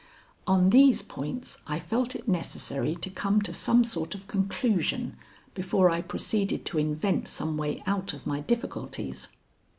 On these points I felt it necessary to come to some sort of conclusion before I proceeded to invent some way out of my difficulties.